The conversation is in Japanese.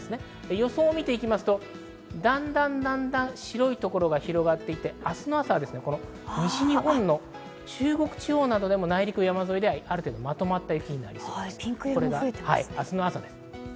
予想を見るとだんだん、だんだん白いところが広がって、明日の朝は西日本の中国地方などでも内陸、山沿いではまとまった雪になりそうです。